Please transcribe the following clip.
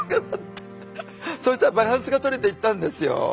そしたらバランスがとれていったんですよ。